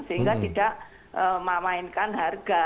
sehingga tidak memainkan harga